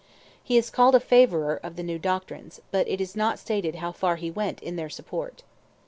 He is called a "favourer" of the new doctrines, but it is not stated how far he went in their support.